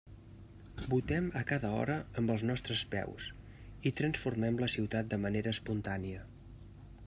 Votem a cada hora amb els nostres peus i transformem la ciutat de manera espontània.